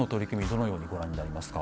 どのようにご覧になりますか？